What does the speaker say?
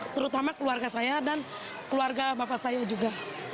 terutama keluarga saya dan keluarga bapak saya juga